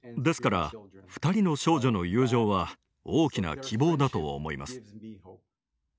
ですから二人の少女の友情は大きな希望だと思います。